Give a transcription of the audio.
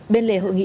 bên lề hội nghị